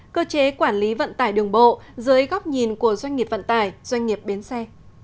cơ chế quản lý vận tải đường bộ dưới góc nhìn của doanh nghiệp vận tải doanh nghiệp biến xe